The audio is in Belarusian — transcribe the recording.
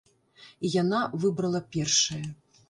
І яна выбрала першае.